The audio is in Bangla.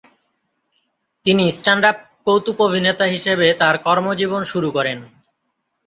তিনি স্ট্যান্ড-আপ কৌতুকাভিনেতা হিসেবে তার কর্মজীবন শুরু করেন।